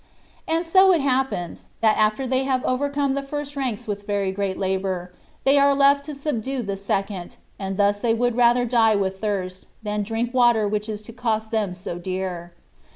And so it happens, that after they have overcome the first ranks with very great labour, they are left to subdue the second, and thus they would rather die with thirst, than drink water which is to cost them so dear.